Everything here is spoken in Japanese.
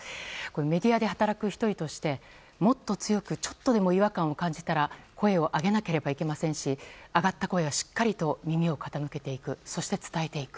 メディアで働く１人としてもっと強く、ちょっとでも違和感を感じたら声を上げなければいけませんし上がった声はしっかりと耳を傾けていくそして、伝えていく。